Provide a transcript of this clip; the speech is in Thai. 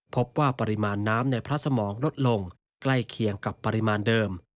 พบว่าปริมาณน้ำในพระสมองลดลงใกล้เคียงกับปริมาณเดิม